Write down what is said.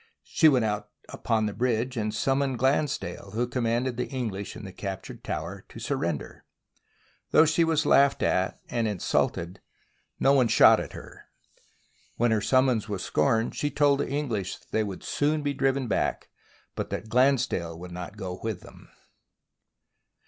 She went out upon the bridge, and summoned Glansdale, who commanded the English in the captured tower, to surrender. Though she was laughed at and insulted, none shot at her. When her summons was scorned, she told the English that they would soon be driven back but that Glansdale would not go with them.